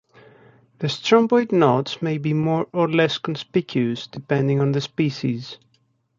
The stromboid notch may be more or less conspicuous, depending on the species.